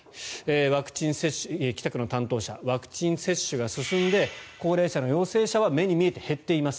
北区の担当者はワクチン接種が進んで高齢者の陽性者は目に見えて減っています。